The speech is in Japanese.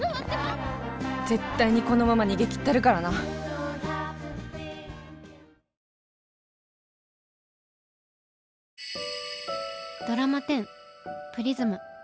絶対にこのまま逃げきったるからなドラマ１０「プリズム」。